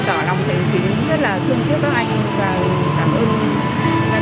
và cảm ơn gia đình của anh